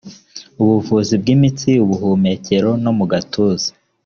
ubuvuzi bw imitsi ubuhumekero no mu gatuza